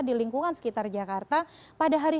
di lingkungan sekitar jakarta pada hari